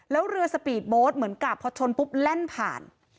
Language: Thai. แล้วเรือสปีดโบ๊ทเหมือนกับพอชนปุ๊บแล่นผ่าน